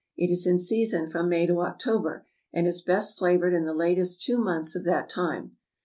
It is in season from May to October, and is best flavored in the latest two months of that time.